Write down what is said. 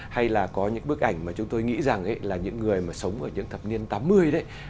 hay là có những bức ảnh mà chúng tôi nghĩ rằng là những người mà sống ở những thập niên tám mươi đấy